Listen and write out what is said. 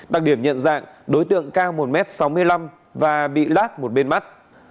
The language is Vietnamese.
đặc điểm nhận dạng đối tượng cao một m sáu mươi năm và bị lát một bên mắt